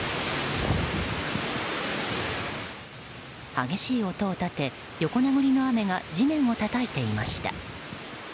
激しい音を立て、横殴りの雨が地面をたたいていました。